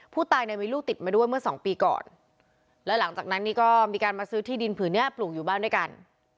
ผู้ตายเนี่ยมีลูกติดมาด้วยเมื่อสองปีก่อนแล้วหลังจากนั้นนี่ก็มีการมาซื้อที่ดินผืนนี้ปลูกอยู่บ้านด้วยกัน